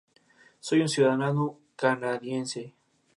Sus padres fueron Simón Muñoz y Josefa Armas.